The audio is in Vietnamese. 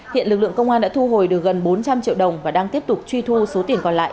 hiện lực lượng công an đã thu hồi được gần bốn trăm linh triệu đồng và đang tiếp tục truy thu số tiền còn lại